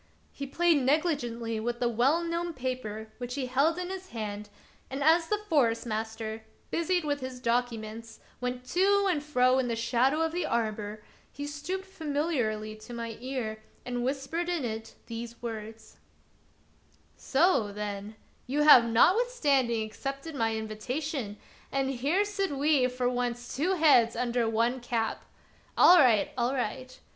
He played negligently with the well known paper which he held in his hand, and as the Forest master, busied with his documents, went to and fro in the shadow of the arbor, he stooped famil iarly to my ear and whispered in it these words :" So, then, you have notwithstanding accepted my invitation, and here sit we for once two heads under one cap. All right ! all right